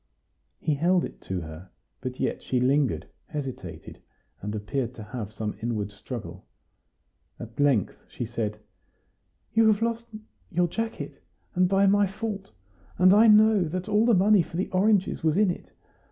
He held it to her, but yet she lingered, hesitated, and appeared to have some inward struggle. At length she said: "You have lost your jacket, and by my fault; and I know that all the money for the oranges was in it.